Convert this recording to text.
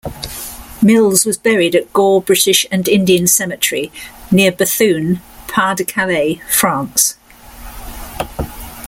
Mills was buried at Gorre British and Indian Cemetery, Nr Bethune, Pas-De-Calais, France.